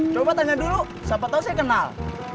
coba tanya dulu siapa tahu saya kenal